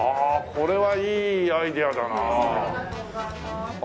これはいいアイデアだなあ。